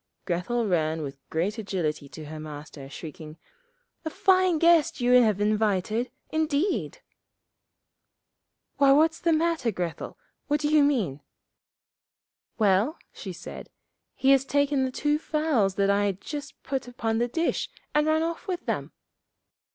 Grethel ran with great agility to her Master, shrieking, 'A fine guest you have invited, indeed!' 'Why, what's the matter, Grethel? What do you mean?' 'Well,' she said, 'he has taken the two fowls that I had just put upon the dish, and run off with them.'